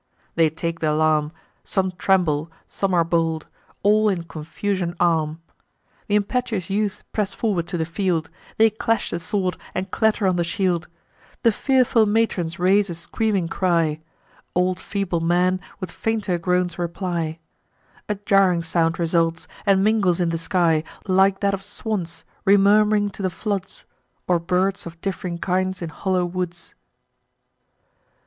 They take th' alarm: Some tremble, some are bold; all in confusion arm. Th' impetuous youth press forward to the field; They clash the sword, and clatter on the shield: The fearful matrons raise a screaming cry; Old feeble men with fainter groans reply; A jarring sound results, and mingles in the sky, Like that of swans remurm'ring to the floods, Or birds of diff'ring kinds in hollow woods.